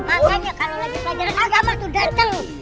makanya kalau lagi belajar agama itu datang